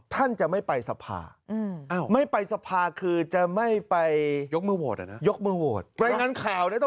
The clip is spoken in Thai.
ท่านจะไม่ไปสภาคือจะไม่ไปสาภาณ์